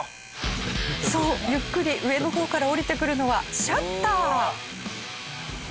そうゆっくり上の方から下りてくるのはシャッター。